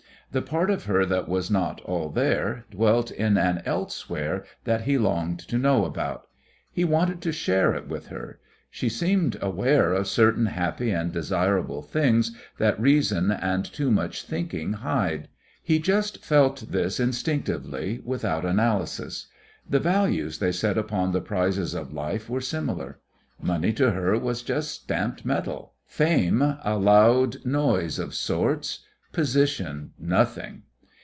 The part of her that was not "all there" dwelt in an "elsewhere" that he longed to know about. He wanted to share it with her. She seemed aware of certain happy and desirable things that reason and too much thinking hide. He just felt this instinctively without analysis. The values they set upon the prizes of life were similar. Money to her was just stamped metal, fame a loud noise of sorts, position nothing.